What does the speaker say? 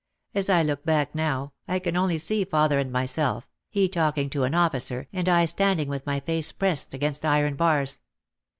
As I look back now I can only see father and myself, he talking to an officer and I standing with my face pressed against iron bars.